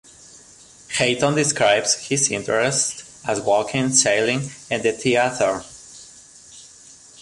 Hayton describes his interests as walking, sailing and the theatre.